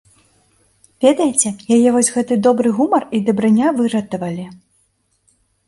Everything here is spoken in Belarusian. Ведаеце, яе вось гэты добры гумор і дабрыня выратавалі.